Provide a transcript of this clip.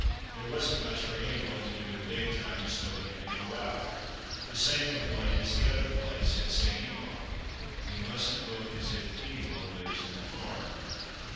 There wasn't much for anyone to do in the day time, as nobody could go out. The same complaint as the other place in St. Yvon: "We mustn't look as if anyone lives in the farm."